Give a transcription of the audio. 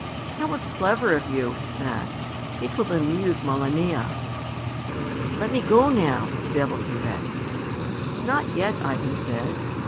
"That was clever of you," he said. "It will amuse Malania." "Let me go now," the Devilkin begged. "Not yet," Ivan said.